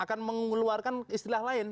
akan mengeluarkan istilah lain